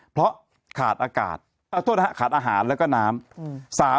เพราะขาดอากาศขาดอาหารแล้วก็น้ำ